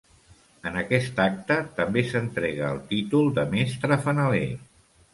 En aquest acte, també, s'entrega el títol de Mestre Fanaler.